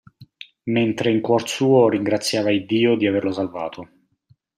mentre in cuor suo ringraziava Iddio di averlo salvato.